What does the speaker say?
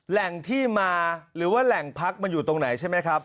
แหล่งที่มาหรือว่าแหล่งพักมันอยู่ตรงไหนใช่ไหมครับ